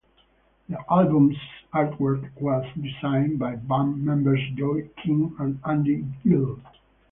The album's artwork was designed by band members Jon King and Andy Gill.